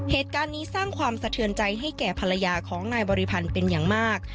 เหตุการณ์นี้สร้างความสะเทือนใจให้แก่ภรรยาของนายบริพันธ์เป็นอย่างมาก